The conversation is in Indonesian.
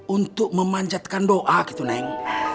untuk memanjatkan doa gitu neng